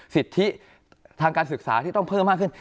สิทธิทางการศึกษาที่ต้องเพิ่มมากขึ้น